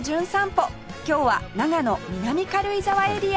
今日は長野南軽井沢エリアへ